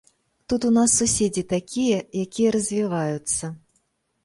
Тут у нас суседзі такія, якія развіваюцца.